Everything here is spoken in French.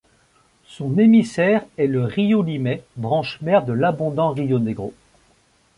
Son émissaire est le río Limay branche-mère de l'abondant río Negro.